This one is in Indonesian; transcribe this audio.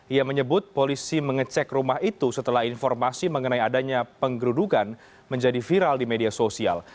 ia menyebut polisi mengecek rumah itu setelah informasi mengenai adanya penggerudukan menjadi viral di media sosial